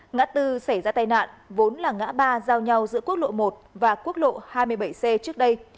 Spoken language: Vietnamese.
ngã tư xảy ra tai nạn vốn là ngã ba giao nhau giữa quốc lộ một và quốc lộ hai mươi bảy c trước đây